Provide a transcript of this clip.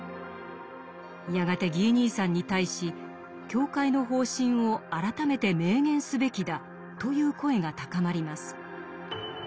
やがてギー兄さんに対し「教会の方針を改めて明言すべきだ」という声が高まります。